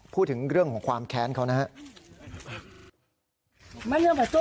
พูดถึงเรื่องของความแค้นเขานะครับ